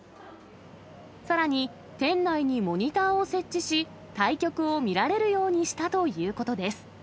さらに店内にモニターを設置し、対局を見られるようにしたということです。